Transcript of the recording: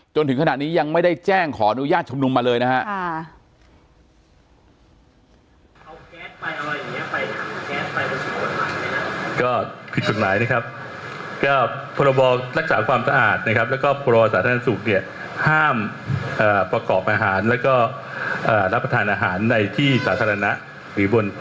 จนถึงขณะนี้ยังไม่ได้แจ้งขออนุญาตชุมนุมมาเลยนะครับ